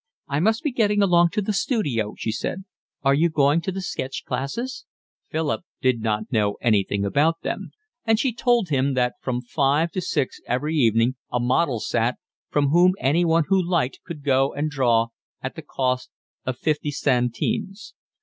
"I must be getting along to the studio," she said. "Are you going to the sketch classes?" Philip did not know anything about them, and she told him that from five to six every evening a model sat, from whom anyone who liked could go and draw at the cost of fifty centimes.